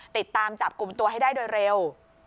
ติดตามจับกลุ่มตัวให้ได้โดยเร็ว